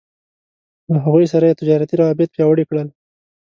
له هغوی سره يې تجارتي روابط پياوړي کړل.